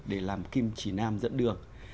để làm kim chỉ nam dẫn đường